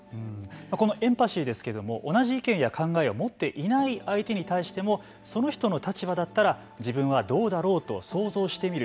この「エンパシー」ですけれども同じ意見や考えを持っていない相手に対してもその人の立場だったら自分はどうだろうと想像してみる。